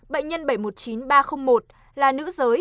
bệnh nhân bảy trăm một mươi chín ba trăm linh một là nữ giới